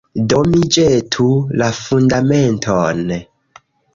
Do mi ĵetu la Fundamenton.